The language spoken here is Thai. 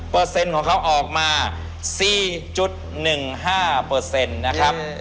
เปอร์เซ็นต์ของเขาออกมา๔๑๕เปอร์เซ็นต์นะครับ